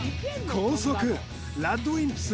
高速ＲＡＤＷＩＭＰＳ